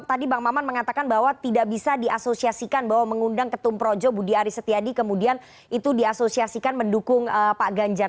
tadi bang maman mengatakan bahwa tidak bisa diasosiasikan bahwa mengundang ketum projo budi aris setiadi kemudian itu diasosiasikan mendukung pak ganjar